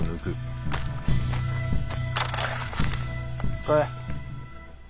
使え。